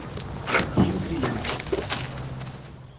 Rio Brilhante